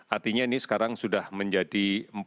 artinya ini sekarang sudah menjadi